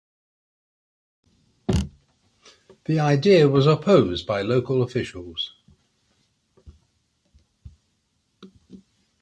The idea was opposed by local officials.